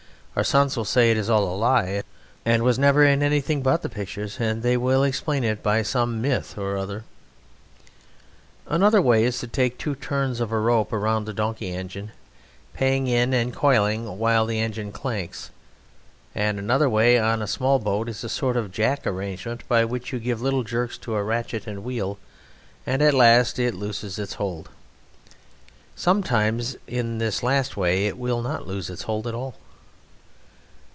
Our sons' sons will say it is all a lie and was never in anything but the pictures, and they will explain it by some myth or other. Another way is to take two turns of a rope round a donkey engine, paying in and coiling while the engine clanks. And another way on smaller boats is a sort of jack arrangement by which you give little jerks to a ratchet and wheel, and at last It looses Its hold. Sometimes (in this last way) It will not loose Its hold at all.